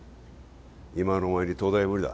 今のお前に東大は無理だ